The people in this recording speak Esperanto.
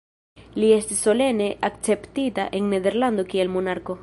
Li estis solene akceptita en Nederlando kiel monarko.